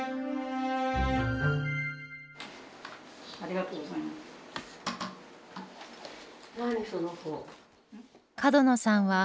ありがとうございます。